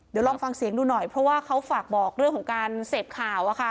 เดี๋ยวลองฟังเสียงดูหน่อยเพราะว่าเขาฝากบอกเรื่องของการเสพข่าว